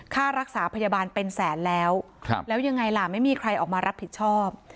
ค่ารักษาพยาบาลเป็นแสนแล้วแล้วยังไงล่ะไม่มีใครออกมารับผิดชอบ